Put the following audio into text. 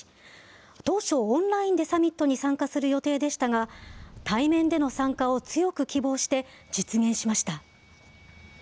当初オンラインでサミットに参加する予定でしたが対面での参加を強く希望して実現しました。